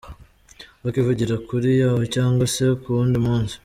Bakivugira kure y’aho cyangwa se ku wundi munsi.